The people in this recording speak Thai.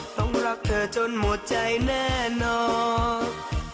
ต้องรักเธอจนหมดใจแน่นอน